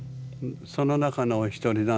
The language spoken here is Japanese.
その中のお一人なのね。